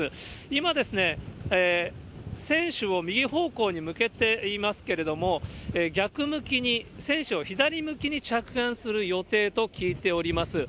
今ですね、船首を右方向に向けていますけれども、逆向きに、船首を左向きに着岸する予定と聞いております。